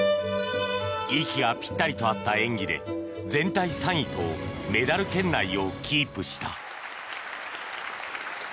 息がぴったりと合った演技で全体３位とメダル圏内をキープした。